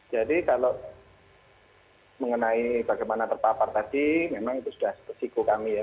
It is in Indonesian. jadi kalau mengenai bagaimana terpapar tadi memang itu sudah spesiko kami ya